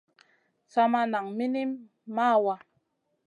Sa maʼa nan minim mawaa.